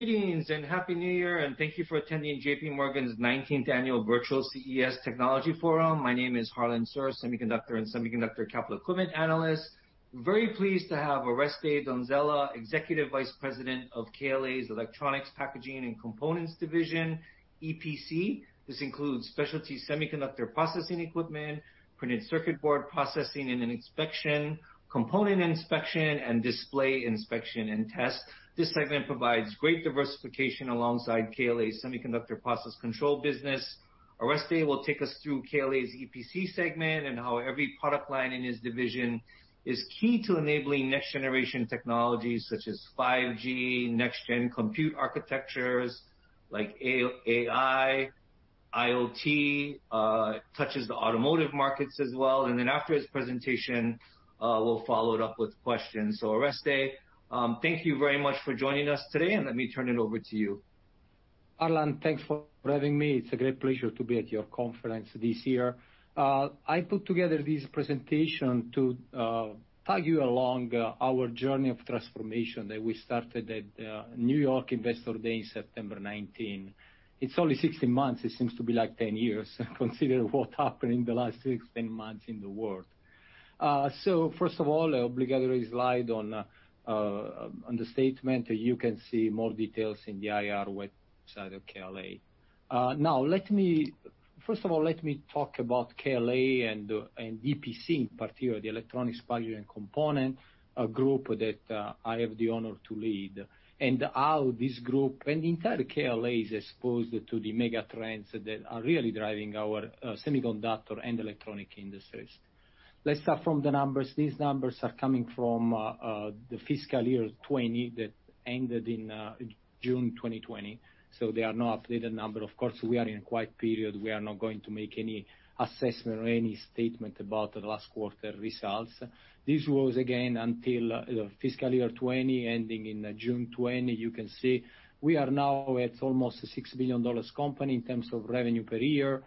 Greetings and Happy New Year, thank you for attending JPMorgan's 19th annual virtual CES Technology Forum. My name is Harlan Sur, Semiconductor and Semiconductor Capital Equipment Analyst. Very pleased to have Oreste Donzella, Executive Vice President of KLA's Electronics, Packaging and Components Division, EPC. This includes specialty semiconductor processing equipment, printed circuit board processing and an inspection, component inspection, and display inspection and test. This segment provides great diversification alongside KLA's semiconductor process control business. Oreste will take us through KLA's EPC segment and how every product line in his division is key to enabling next generation technologies such as 5G, next gen compute architectures like AI, IoT, touches the automotive markets as well. After his presentation, we'll follow it up with questions. Oreste, thank you very much for joining us today, and let me turn it over to you. Harlan, thanks for having me. It's a great pleasure to be at your conference this year. I put together this presentation to tag you along our journey of transformation that we started at New York Investor Day in September 2019. It's only 16 months, it seems to be like 10 years considering what happened in the last 16 months in the world. First of all, obligatory slide on the statement. You can see more details in the IR website of KLA. Now, first of all, let me talk about KLA and EPC in particular, the Electronics, Packaging and Components group that I have the honor to lead, and how this group and entire KLA is exposed to the mega trends that are really driving our semiconductor and electronic industries. Let's start from the numbers. These numbers are coming from the fiscal year 2020 that ended in June 2020, so they are not updated number. Of course, we are in a quiet period. We are not going to make any assessment or any statement about the last quarter results. This was, again, until the fiscal year 2020, ending in June 2020. You can see we are now at almost a $6 billion company in terms of revenue per year.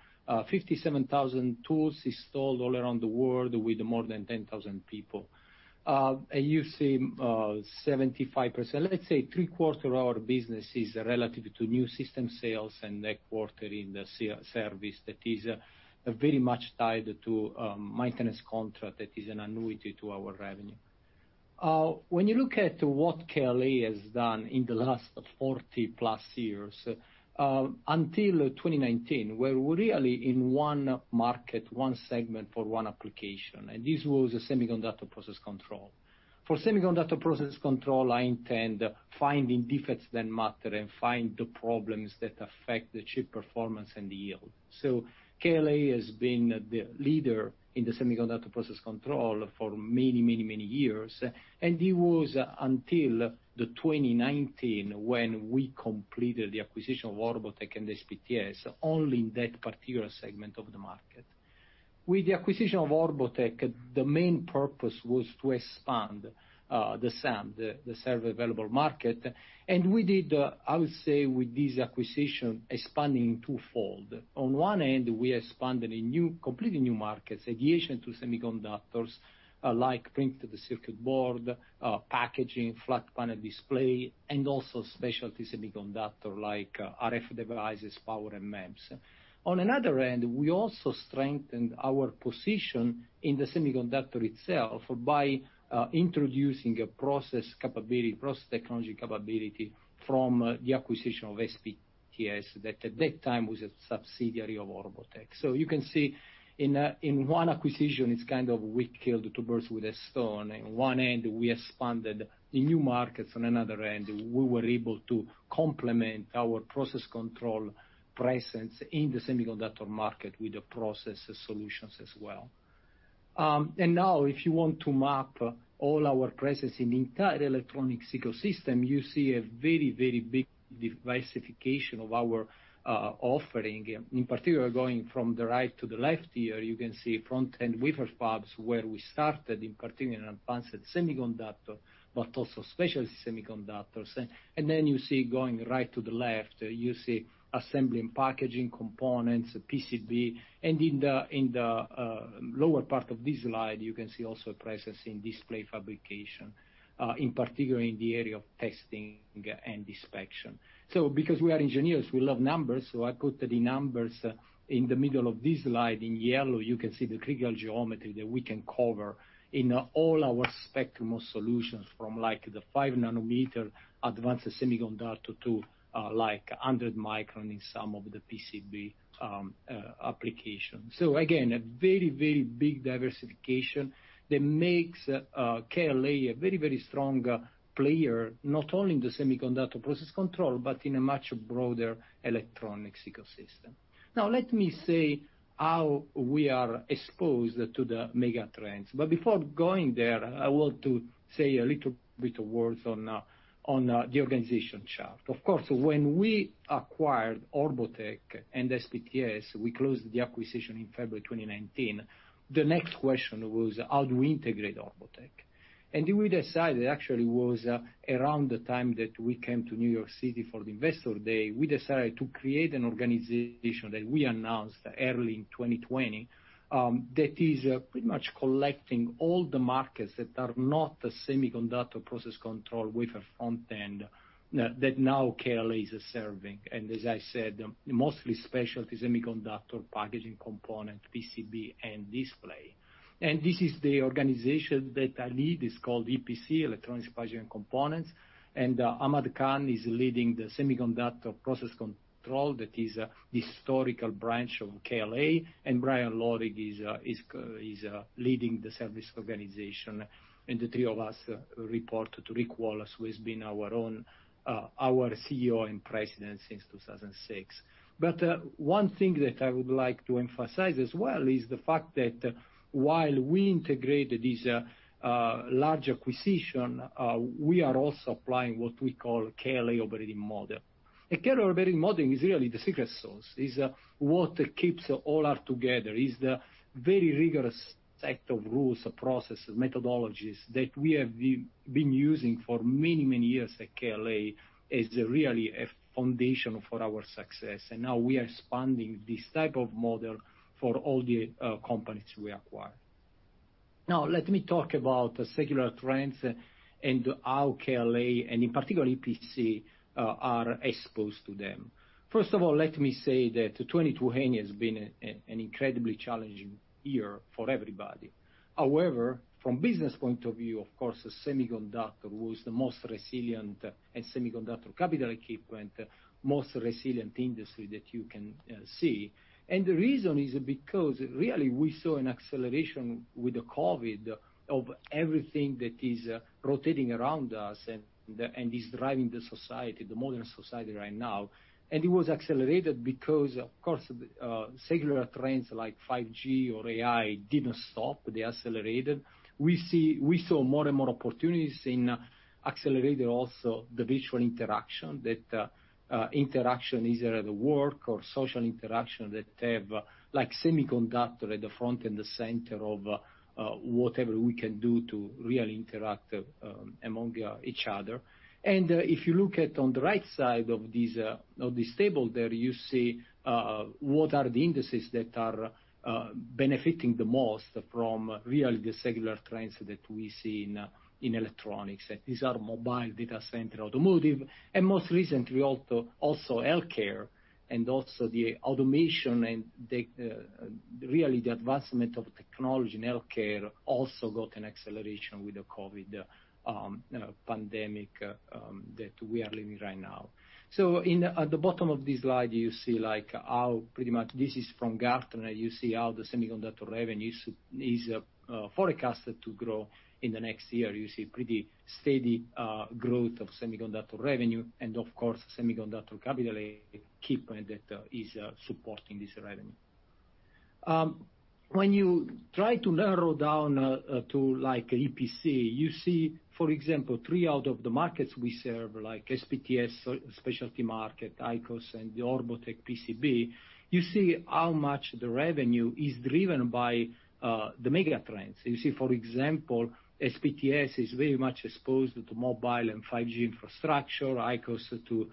57,000 tools installed all around the world with more than 10,000 people. You see, 75%, let's say three-quarter of our business is relative to new system sales and a quarter in the service that is very much tied to maintenance contract that is an annuity to our revenue. When you look at what KLA has done in the last 40+ years, until 2019, we were really in one market, one segment for one application, this was a semiconductor process control. For semiconductor process control, I intend finding defects that matter and find the problems that affect the chip performance and yield. KLA has been the leader in the semiconductor process control for many, many, many years, and it was until 2019, when we completed the acquisition of Orbotech and SPTS, only in that particular segment of the market. With the acquisition of Orbotech, the main purpose was to expand the SAM, the serviceable available market. We did, I would say, with this acquisition, expanding twofold. On one end, we expanded in completely new markets adjacent to semiconductors, like printed circuit board, packaging, flat panel display, and also specialty semiconductor like RF devices, power and MEMS. On another end, we also strengthened our position in the semiconductor itself by introducing a process technology capability from the acquisition of SPTS, that at that time was a subsidiary of Orbotech. You can see in one acquisition, it's kind of we killed two birds with a stone. In one end, we expanded in new markets. On another end, we were able to complement our process control presence in the semiconductor market with the process solutions as well. Now, if you want to map all our presence in the entire electronic ecosystem, you see a very big diversification of our offering. Going from the right to the left here, you can see front-end wafer fabs where we started, in particular in advanced semiconductor, but also specialty semiconductors. You see going right to the left, you see assembly and packaging components, PCB. In the lower part of this slide, you can see also presence in display fabrication, in particular in the area of testing and inspection. Because we are engineers, we love numbers, I put the numbers in the middle of this slide in yellow. You can see the critical geometry that we can cover in all our spectrum of solutions, from the 5 nm advanced semiconductor to 100 micron in some of the PCB applications. Again, a very big diversification that makes KLA a very strong player, not only in the semiconductor process control, but in a much broader electronics ecosystem. Let me say how we are exposed to the megatrends. Before going there, I want to say a little bit of words on the organization chart. Of course, when we acquired Orbotech and SPTS, we closed the acquisition in February 2019. The next question was: How do we integrate Orbotech? We decided, actually it was around the time that we came to New York City for the Investor Day, we decided to create an organization that we announced early in 2020, that is pretty much collecting all the markets that are not the semiconductor process control with a front end that now KLA is serving. As I said, mostly specialty semiconductor packaging component, PCB, and display. This is the organization that I lead, it is called EPC, Electronics, Packaging and Components, Ahmad Khan is leading the semiconductor process control that is a historical branch of KLA, and Brian Lorig is leading the service organization. The three of us report to Rick Wallace, who has been our CEO and President since 2006. One thing that I would like to emphasize as well, is the fact that while we integrated this large acquisition, we are also applying what we call KLA Operating Model. A KLA Operating Model is really the secret sauce. It is what keeps all us together. It is the very rigorous set of rules, processes, methodologies that we have been using for many, many years at KLA. It is really a foundation for our success, and now we are expanding this type of model for all the companies we acquire. Let me talk about the secular trends and how KLA, and in particular EPC, are exposed to them. Let me say that 2020 has been an incredibly challenging year for everybody. From business point of view, of course, the semiconductor was the most resilient, and semiconductor capital equipment, most resilient industry that you can see. The reason is because really we saw an acceleration with the COVID of everything that is rotating around us and is driving the society, the modern society right now. It was accelerated because, of course, secular trends like 5G or AI didn't stop. They accelerated. We saw more and more opportunities in accelerated, also the visual interaction, that interaction, either at work or social interaction, that have semiconductor at the front and the center of whatever we can do to really interact among each other. If you look at on the right side of this table there, you see what are the indices that are benefiting the most from really the secular trends that we see in electronics. These are mobile data center, automotive, and most recently, also healthcare, and also the automation and really the advancement of technology in healthcare also got an acceleration with the COVID pandemic that we are living right now. At the bottom of this slide, you see how, pretty much this is from Gartner, you see how the semiconductor revenues is forecasted to grow in the next year. You see pretty steady growth of semiconductor revenue and, of course, semiconductor capital equipment that is supporting this revenue. When you try to narrow down to EPC, you see, for example, three out of the markets we serve, like SPTS, specialty market, ICOS and Orbotech PCB, you see how much the revenue is driven by the mega trends. You see, for example, SPTS is very much exposed to mobile and 5G infrastructure, ICOS to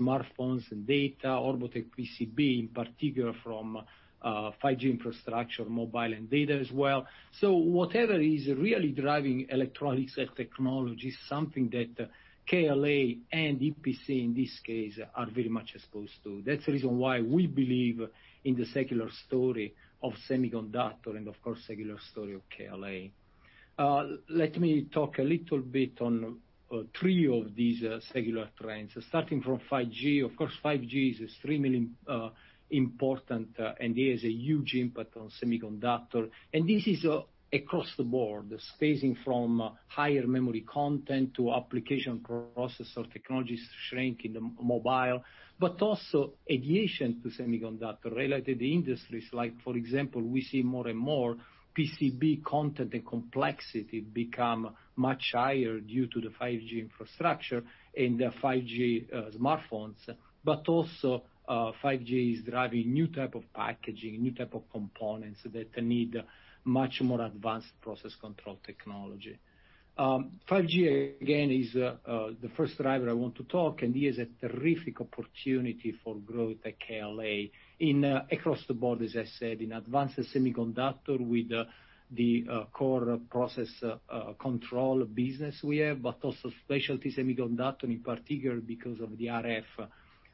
smartphones and data, Orbotech PCB in particular from 5G infrastructure, mobile and data as well. Whatever is really driving electronics and technology is something that KLA and EPC in this case are very much exposed to. That's the reason why we believe in the secular story of semiconductor and of course, secular story of KLA. Let me talk a little bit on three of these secular trends, starting from 5G. Of course, 5G is extremely important, and it has a huge impact on semiconductor. This is across the board, phasing from higher memory content to application processor technologies, shrink in mobile, but also adjacentviation to semiconductor-related industries. Like for example, we see more and more PCB content and complexity become much higher due to the 5G infrastructure and the 5G smartphones. Also, 5G is driving new type of packaging, new type of components that need much more advanced process control technology. 5G, again, is the first driver I want to talk, and it is a terrific opportunity for growth at KLA across the board, as I said, in advanced semiconductor with the core process control business we have, but also specialty semiconductor in particular because of the RF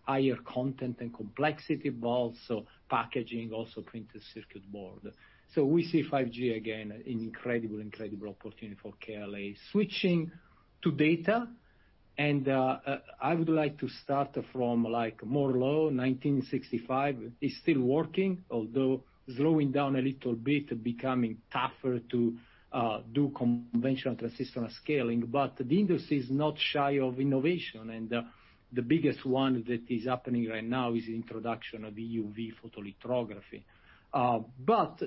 higher content and complexity, but also packaging, also printed circuit board. We see 5G again, an incredible opportunity for KLA. Switching to data. I would like to start from Moore's Law, 1965. It's still working, although slowing down a little bit, becoming tougher to do conventional transistor scaling. The industry is not shy of innovation, and the biggest one that is happening right now is the introduction of EUV photolithography.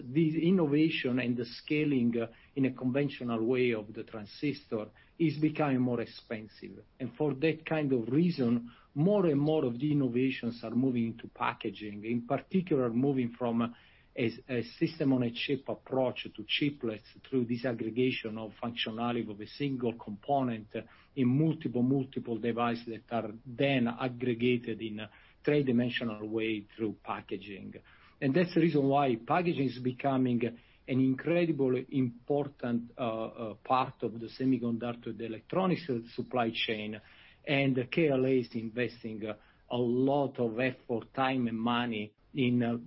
This innovation and the scaling in a conventional way of the transistor is becoming more expensive. For that kind of reason, more and more of the innovations are moving into packaging, in particular, moving from a system-on-a-chip approach to chiplets through disaggregation of functionality of a single component in multiple devices that are then aggregated in a three-dimensional way through packaging. That's the reason why packaging is becoming an incredibly important part of the semiconductor, the electronics supply chain, and KLA is investing a lot of effort, time, and money in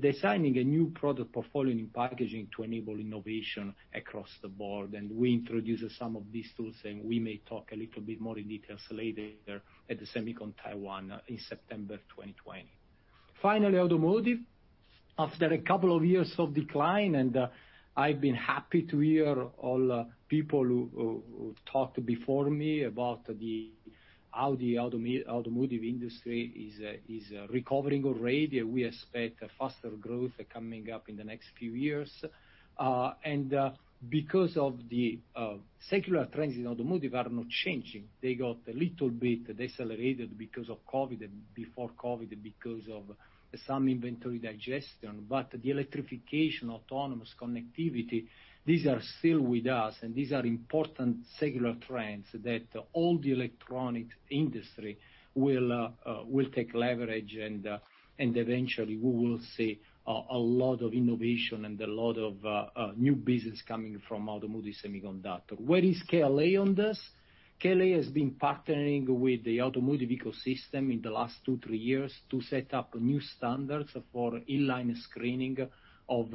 designing a new product portfolio in packaging to enable innovation across the board. We introduce some of these tools, and we may talk a little bit more in details later at the SEMICON Taiwan in September 2020. Finally, automotive. After a couple of years of decline, I've been happy to hear all people who talked before me about how the automotive industry is recovering already, we expect a faster growth coming up in the next few years. Because of the secular trends in automotive are not changing. They got a little bit decelerated because of COVID, before COVID because of some inventory digestion. The electrification, autonomous connectivity, these are still with us, these are important secular trends that all the electronic industry will take leverage, eventually we will see a lot of innovation and a lot of new business coming from automotive semiconductor. Where is KLA on this? KLA has been partnering with the automotive ecosystem in the last two, three years to set up new standards for inline screening of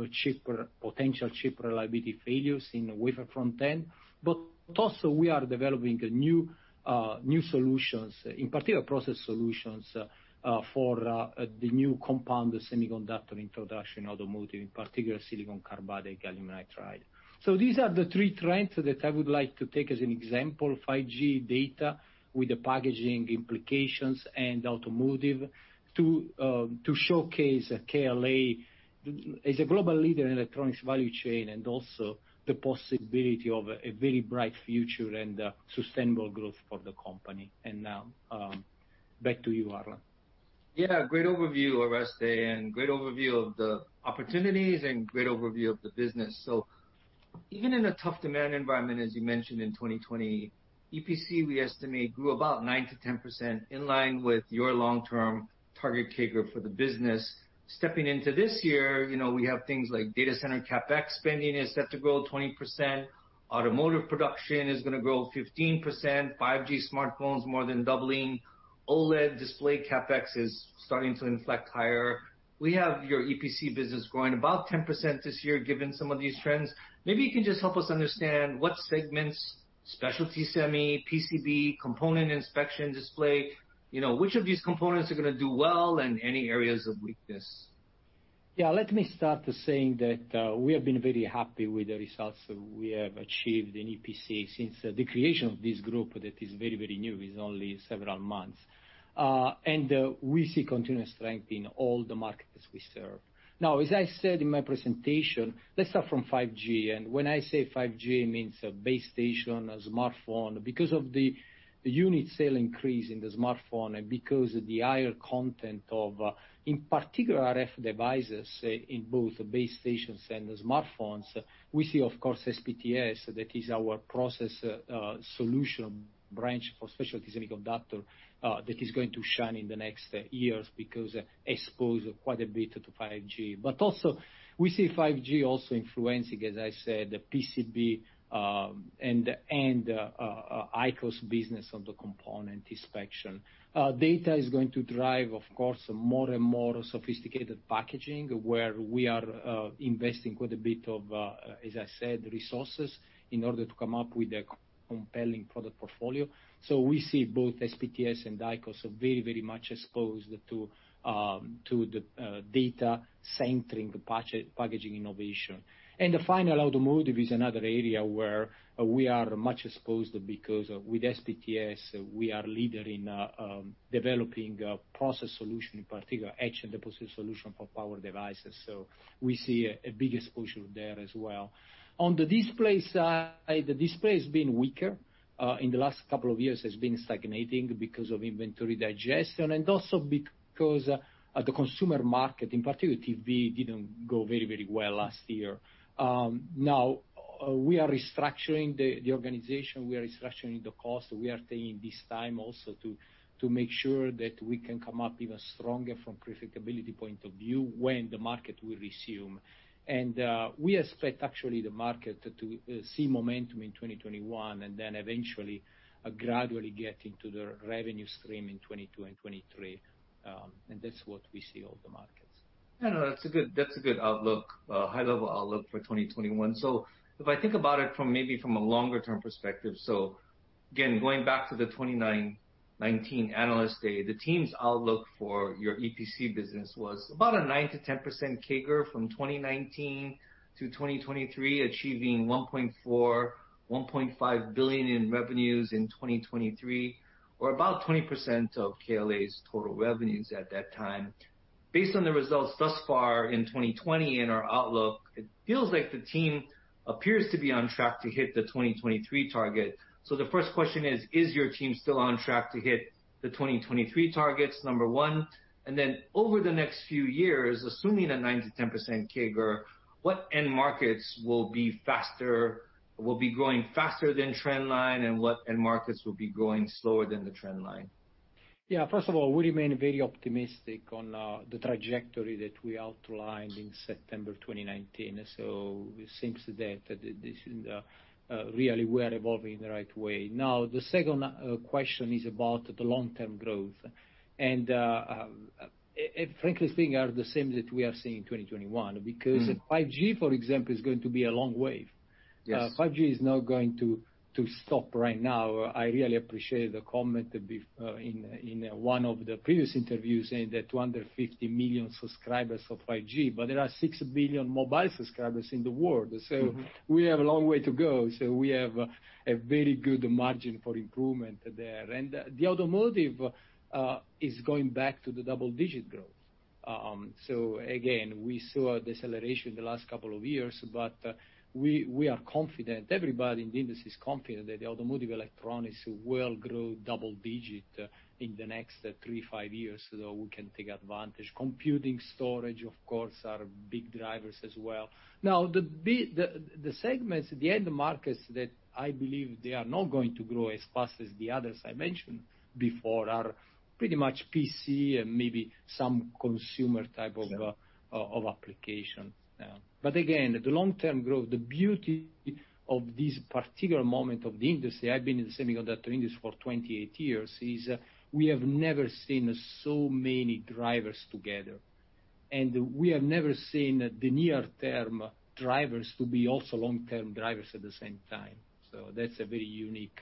potential chip reliability failures in wafer front end. Also we are developing new solutions, in particular process solutions, for the new compound semiconductor introduction automotive, in particular silicon carbide, gallium nitride. These are the three trends that I would like to take as an example, 5G data with the packaging implications and automotive, to showcase KLA as a global leader in electronics value chain, and also the possibility of a very bright future and sustainable growth for the company. Now, back to you, Harlan. Great overview, Oreste, great overview of the opportunities and great overview of the business. Even in a tough demand environment, as you mentioned in 2020, EPC, we estimate, grew about 9%-10%, in line with your long-term target CAGR for the business. Stepping into this year, we have things like data center CapEx spending is set to grow 20%, automotive production is going to grow 15%, 5G smartphones more than doubling. OLED display CapEx is starting to inflect higher. We have your EPC business growing about 10% this year, given some of these trends. Maybe you can just help us understand what segments, specialty semi, PCB, component inspection, display, which of these components are going to do well, and any areas of weakness? Yeah. Let me start saying that we have been very happy with the results we have achieved in EPC since the creation of this group that is very, very new. It's only several months. We see continuous strength in all the markets we serve. Now, as I said in my presentation, let's start from 5G. When I say 5G, it means a base station, a smartphone. Because of the unit sale increase in the smartphone, and because the higher content of, in particular, RF devices in both base stations and smartphones, we see, of course, SPTS, that is our process solution branch for specialty semiconductor, that is going to shine in the next years because exposed quite a bit to 5G. Also we see 5G also influencing, as I said, PCB and ICOS business on the component inspection. Data is going to drive, of course, more and more sophisticated packaging where we are investing quite a bit of, as I said, resources in order to come up with a compelling product portfolio. We see both SPTS and ICOS are very much exposed to the data centering packaging innovation. The final, automotive, is another area where we are much exposed because with SPTS, we are leader in developing a process solution, in particular, etch and deposit solution for power devices. We see a big exposure there as well. On the display side, the display has been weaker. In the last couple of years has been stagnating because of inventory digestion, and also because the consumer market, in particular TV, didn't go very well last year. Now, we are restructuring the organization, we are restructuring the cost. We are taking this time also to make sure that we can come up even stronger from profitability point of view when the market will resume. We expect, actually, the market to see momentum in 2021, and then eventually, gradually get into the revenue stream in 2022 and 2023. That's what we see over the markets. No, that's a good outlook, high-level outlook for 2021. If I think about it from maybe from a longer-term perspective, again, going back to the 2019 Analyst Day, the team's outlook for your EPC business was about a 9%-10% CAGR from 2019 to 2023, achieving $1.4 billion, $1.5 billion in revenues in 2023, or about 20% of KLA's total revenues at that time. Based on the results thus far in 2020 and our outlook, it feels like the team appears to be on track to hit the 2023 target. The first question is your team still on track to hit the 2023 targets? Number one, and then over the next few years, assuming a 9%-10% CAGR, what end markets will be growing faster than trend line, and what end markets will be growing slower than the trend line? Yeah. First of all, we remain very optimistic on the trajectory that we outlined in September 2019. It seems that really we are evolving in the right way. The second question is about the long-term growth, frankly speaking, are the same that we are seeing in 2021. 5G, for example, is going to be a long wave. Yes. 5G is not going to stop right now. I really appreciate the comment in one of the previous interviews saying that 250 million subscribers of 5G, but there are 6 billion mobile subscribers in the world, so we have a long way to go. We have a very good margin for improvement there. The automotive is going back to the double-digit growth. Again, we saw a deceleration in the last couple of years, but we are confident, everybody in the industry is confident that the automotive electronics will grow double digit in the next three, five years, so we can take advantage. Computing storage, of course, are big drivers as well. Now, the segments, the end markets that I believe they are not going to grow as fast as the others I mentioned before are pretty much PC and maybe some consumer type- Sure. -of application. Again, the long-term growth, the beauty of this particular moment of the industry, I've been in the semiconductor industry for 28 years, is we have never seen so many drivers together, and we have never seen the near-term drivers to be also long-term drivers at the same time. That's a very unique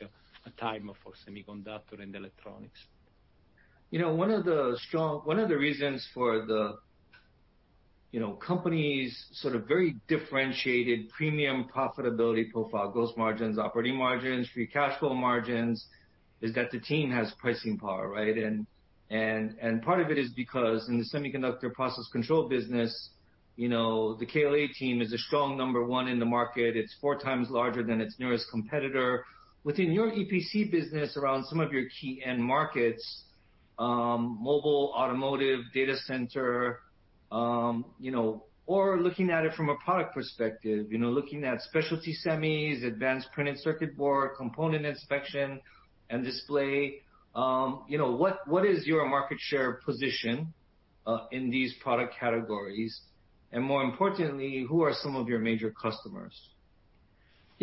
time for semiconductor and electronics. One of the reasons for the company's sort of very differentiated premium profitability profile, gross margins, operating margins, free cash flow margins, is that the team has pricing power, right? Part of it is because in the semiconductor process control business, the KLA team is a strong number one in the market. It's four times larger than its nearest competitor. Within your EPC business around some of your key end markets, mobile, automotive, data center, or looking at it from a product perspective, looking at specialty semis, advanced printed circuit board, component inspection, and display. What is your market share position, in these product categories? More importantly, who are some of your major customers?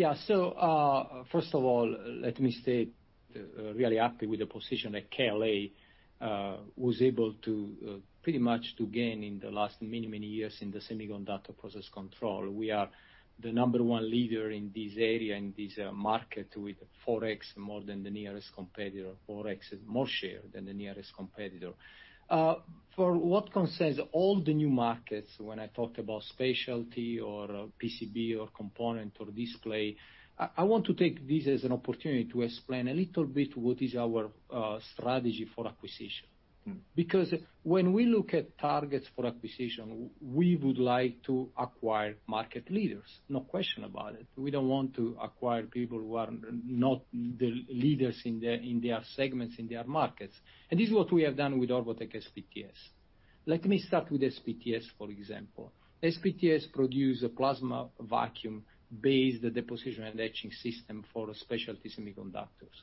First of all, let me state, really happy with the position that KLA was able to pretty much to gain in the last many, many years in the semiconductor process control. We are the number one leader in this area, in this market with 4x more than the nearest competitor, 4x more share than the nearest competitor. For what concerns all the new markets, when I talk about specialty or PCB or component or display, I want to take this as an opportunity to explain a little bit what is our strategy for acquisition. Because when we look at targets for acquisition, we would like to acquire market leaders, no question about it. We don't want to acquire people who are not the leaders in their segments, in their markets. This is what we have done with Orbotech, SPTS. Let me start with SPTS, for example. SPTS produce a plasma vacuum-based deposition and etching system for specialty semiconductors.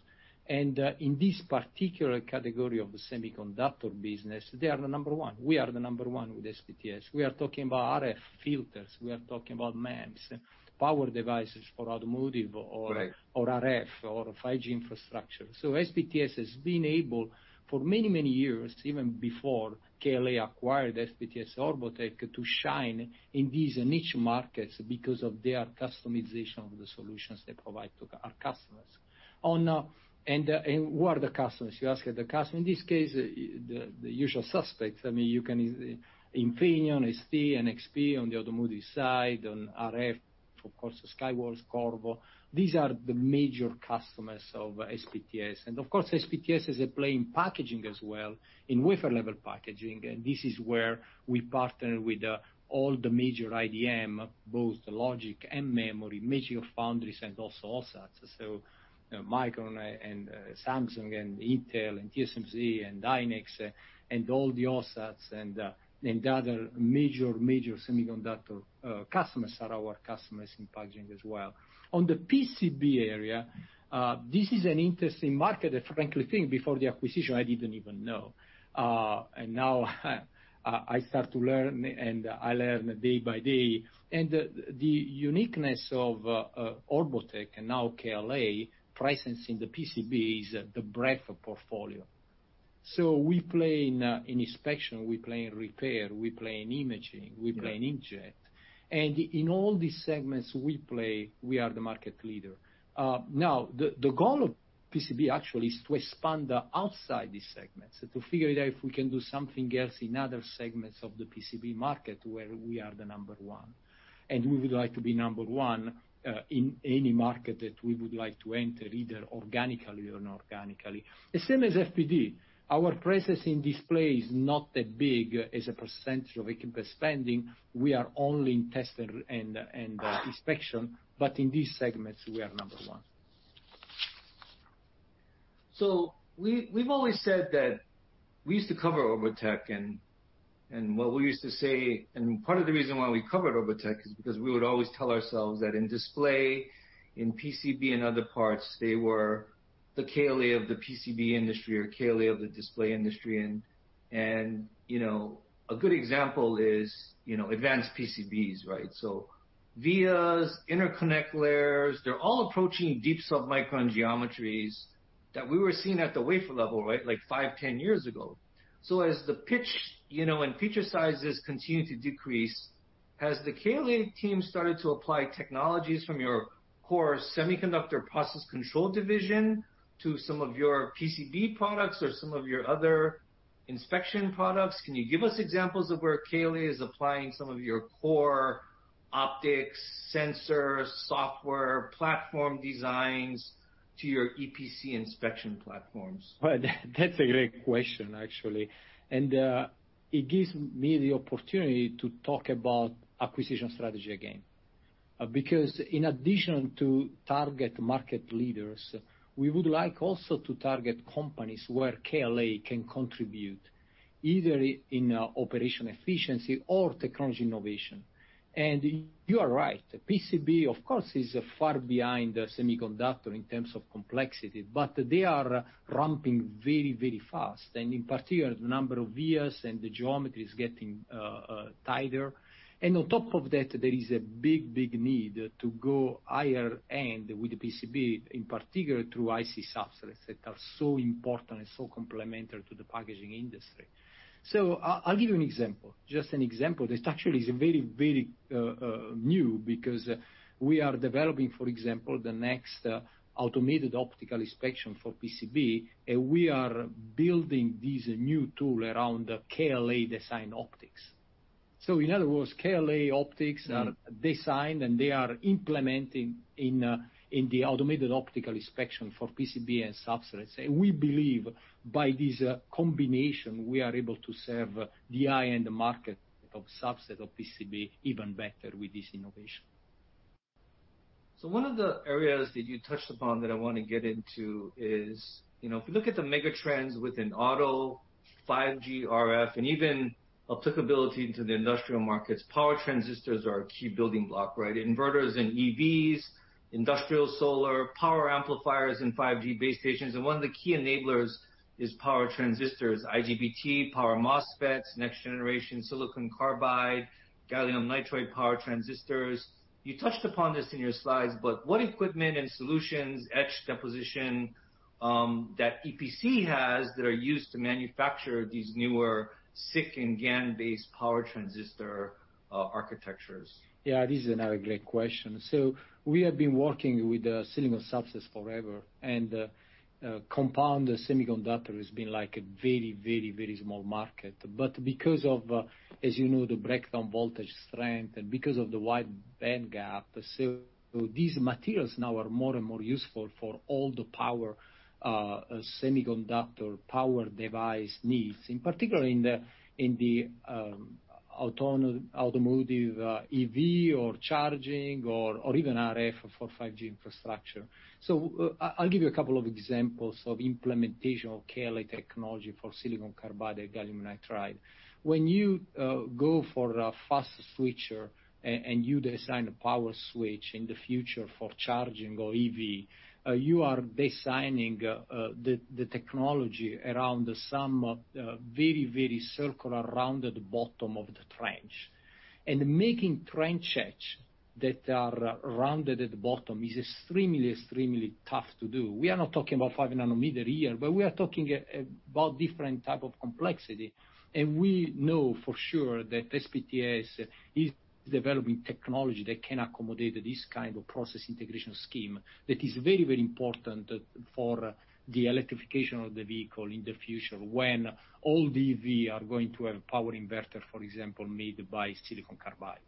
In this particular category of the semiconductor business, they are the number one. We are the number one with SPTS. We are talking about RF filters. We are talking about MEMS and power devices for automotive. Right. Or RF or 5G infrastructure. SPTS has been able for many, many years, even before KLA acquired SPTS, Orbotech, to shine in these niche markets because of their customization of the solutions they provide to our customers. Who are the customers? You ask the customer. In this case, the usual suspects. I mean, you can Infineon, ST, NXP on the automotive side, on RF, of course, Skyworks, Qorvo. These are the major customers of SPTS. Of course, SPTS is at play in packaging as well, in wafer level packaging. This is where we partner with all the major IDM, both logic and memory, major foundries and also OSATs. Micron and Samsung and Intel and TSMC and hynix and all the OSATs and other major semiconductor customers are our customers in packaging as well. On the PCB area, this is an interesting market. Frankly speaking, before the acquisition, I didn't even know. Now I start to learn, I learn day by day. The uniqueness of Orbotech and now KLA presence in the PCB is the breadth of portfolio. We play in inspection, we play in repair, we play in imaging, we play in inkjet. In all these segments we play, we are the market leader. The goal of PCB actually is to expand outside these segments, to figure out if we can do something else in other segments of the PCB market where we are the number one. We would like to be number one in any market that we would like to enter, either organically or inorganically. The same as FPD. Our presence in display is not that big as a percentage of spending. We are only in test and inspection, but in these segments we are number one. We've always said that we used to cover Orbotech, and what we used to say, and part of the reason why we covered Orbotech is because we would always tell ourselves that in display, in PCB, and other parts, they were the KLA of the PCB industry or KLA of the display industry. A good example is advanced PCBs, right? Vias, interconnect layers, they're all approaching deep submicron geometries that we were seeing at the wafer level, right? Like five, 10 years ago. As the pitch and feature sizes continue to decrease, has the KLA team started to apply technologies from your core semiconductor process control division to some of your PCB products or some of your other inspection products? Can you give us examples of where KLA is applying some of your core optics, sensors, software, platform designs to your EPC inspection platforms? Well, that's a great question, actually. It gives me the opportunity to talk about acquisition strategy again. Because in addition to target market leaders, we would like also to target companies where KLA can contribute, either in operation efficiency or technology innovation. You are right, PCB of course, is far behind semiconductor in terms of complexity, but they are ramping very fast. In particular, the number of vias and the geometry is getting tighter. On top of that, there is a big need to go higher end with the PCB, in particular through IC substrates that are so important and so complementary to the packaging industry. I'll give you an example. Just an example that actually is very new because we are developing, for example, the next automated optical inspection for PCB, and we are building this new tool around KLA design optics. In other words, KLA optics are designed, and they are implementing in the automated optical inspection for PCB and substrates. We believe by this combination, we are able to serve the high-end market of substrate of PCB even better with this innovation. One of the areas that you touched upon that I want to get into is, if you look at the mega trends within auto, 5G, RF, and even applicability into the industrial markets, power transistors are a key building block, right? Inverters and EVs, industrial solar, power amplifiers, and 5G base stations, and one of the key enablers is power transistors, IGBT, power MOSFET, next generation silicon carbide, gallium nitride power transistors. You touched upon this in your slides, but what equipment and solutions etch deposition that EPC has that are used to manufacture these newer SiC and GaN-based power transistor architectures? This is another great question. We have been working with silicon substrates forever, and compound semiconductor has been like a very small market. Because of, as you know, the breakdown voltage strength and because of the wide bandgap, these materials now are more and more useful for all the power semiconductor power device needs, in particular in the automotive EV or charging or even RF for 5G infrastructure. I'll give you a couple of examples of implementation of KLA technology for silicon carbide or gallium nitride. When you go for a fast switcher and you design a power switch in the future for charging or EV, you are designing the technology around some very circular rounded bottom of the trench. Making trench etch that are rounded at the bottom is extremely tough to do. We are not talking about 5 nm here. We are talking about different type of complexity. We know for sure that SPTS is developing technology that can accommodate this kind of process integration scheme that is very important for the electrification of the vehicle in the future when all EV are going to have power inverter, for example, made by silicon carbide.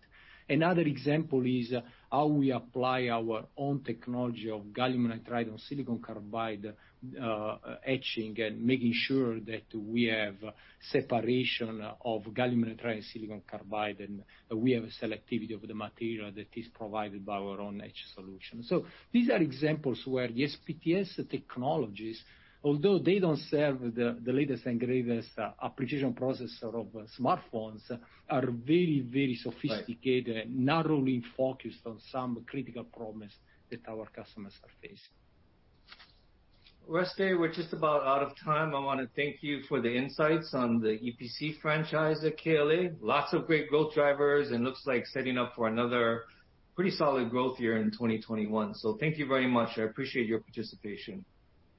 Another example is how we apply our own technology of gallium nitride on silicon carbide etching and making sure that we have separation of gallium nitride and silicon carbide, and we have a selectivity of the material that is provided by our own etch solution. These are examples where the SPTS technologies, although they don't serve the latest and greatest application processor of smartphones, are very sophisticated, narrowly focused on some critical problems that our customers are facing. Oreste, we're just about out of time. I want to thank you for the insights on the EPC franchise at KLA, lots of great growth drivers, and looks like setting up for another pretty solid growth year in 2021. Thank you very much. I appreciate your participation.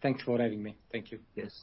Thanks for having me. Thank you. Yes.